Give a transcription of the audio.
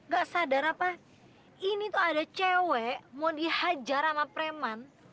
gak sadar apa ini tuh ada cewek mau dihajar sama preman